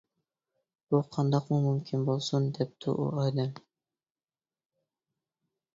-بۇ قانداقمۇ مۇمكىن بولسۇن-دەپتۇ ئۇ ئادەم.